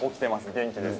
元気です。